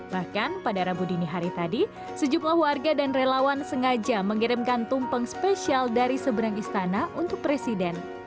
bahkan pada rabu dini hari tadi sejumlah warga dan relawan sengaja mengirimkan tumpeng spesial dari seberang istana untuk presiden